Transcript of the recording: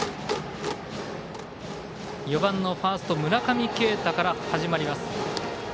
４番の、ファースト村上慶太から始まります。